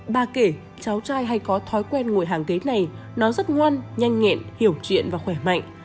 ba kể cháu trai hay có thói quen ngồi hàng ghế này nó rất ngoan nhanh nhẹn hiểu chuyện và khỏe mạnh